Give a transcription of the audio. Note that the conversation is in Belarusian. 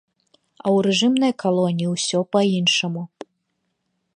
А ў рэжымнай калоніі усё па-іншаму.